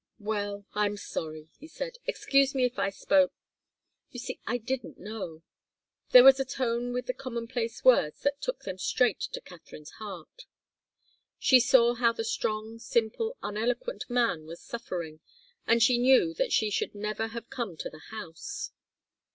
"Well I'm sorry," he said. "Excuse me if I spoke you see I didn't know." There was a tone with the commonplace words that took them straight to Katharine's heart. She saw how the strong, simple, uneloquent man was suffering, and she knew that she should never have come to the house.